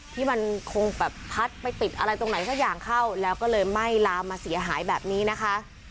ที่มันคงแบบพัดไปติดอะไรตรงไหนสักอย่างเข้าแล้วก็เลยไหม้ลามมาเสียหายแบบนี้นะคะ